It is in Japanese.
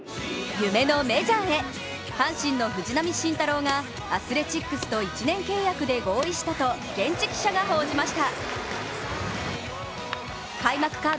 夢のメジャーへ、阪神の藤浪晋太郎がアスレチックスと１年契約で合意したと現地記者が報じました。